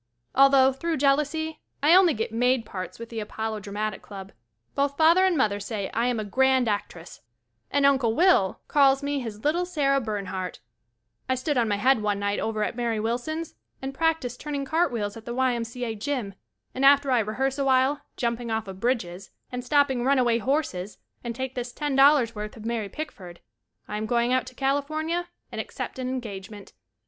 Although, through jealousy. I only get maid parts with the Apollo Dramatic Club, both father and mother say I am a grand actress and Uncle Will calls me his little Sarah Bern 103 off a strip of whatever hand everytime dime. " 104 Photoplay Magazine hardt. I stood on my head one night over at Mary Wilson's, and practiced turning cart wheels at the Y. M. C. A. gym, and after I rehearse a while jumping off of bridges, and stopping runaway horses and take this Ten Dollars worth of Mary Pick ford, I am going out to California and ac cept an engagement.